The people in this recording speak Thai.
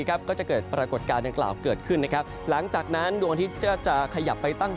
ก็จะเกิดปรากฏการณ์